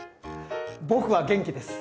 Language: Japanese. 僕は元気です！